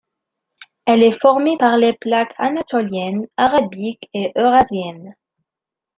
Elle est formée par les plaques anatolienne, arabique et eurasienne.